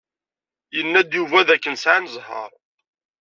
Yenna-d Yuba dakken sɛan zzheṛ.